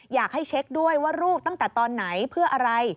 อยากให้เช็คด้วยว่ารูปตั้งแต่ตอนไหนเพื่ออะไร